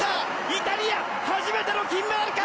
イタリア、初めての金メダルか！